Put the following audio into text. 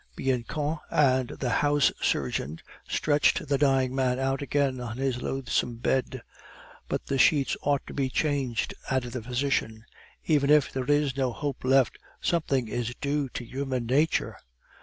Bianchon and the house surgeon stretched the dying man out again on his loathsome bed. "But the sheets ought to be changed," added the physician. "Even if there is no hope left, something is due to human nature.